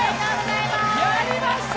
やりました！